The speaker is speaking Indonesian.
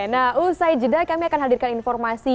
nah usai jeda kami akan hadirkan informasi